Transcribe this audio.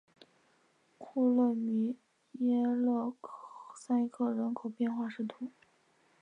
库勒米耶勒塞克人口变化图示